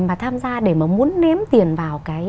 mà tham gia để mà muốn ném tiền vào